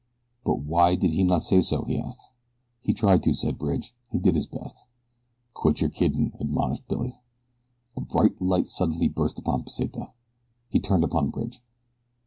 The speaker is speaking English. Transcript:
"But why did he not say so?" he asked. "He tried to," said Bridge. "He did his best." "Quit yer kiddin'," admonished Billy. A bright light suddenly burst upon Pesita. He turned upon Bridge.